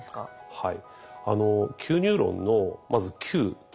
はい。